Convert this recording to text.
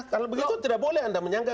kalau begitu tidak boleh anda menyangka